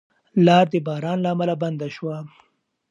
لار د باران له امله بنده شوه.